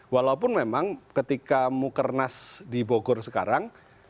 walaupun memang ketika mukernas di bogor sekarang